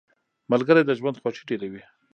ملګری د ژوند خوښي ډېروي.